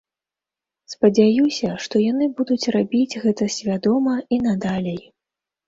Спадзяюся, што яны будуць рабіць гэта свядома і надалей.